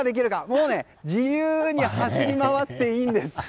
もう、自由に走り回っていいんです。